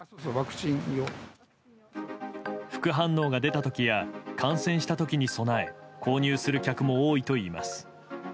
副反応が出た時や感染した時に備え購入する客も多いといいます。